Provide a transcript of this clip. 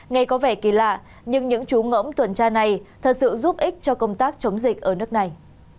ngày có vẻ kỳ lạ nhưng những chú ngỗng tuần tra này thật sự giúp ích cho công tác chống dịch ở nước này